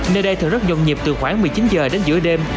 nơi đây thường rất nhồn nhịp từ khoảng một mươi chín h đến giữa đêm